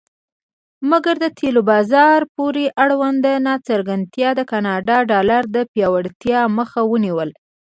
مګر د تیلو بازار پورې اړوند ناڅرګندتیا د کاناډا ډالر د پیاوړتیا مخه ونیوله.